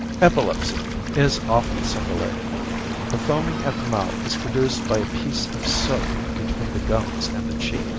=Epilepsy= is often simulated. The foaming at the mouth is produced by a piece of soap between the gums and the cheek.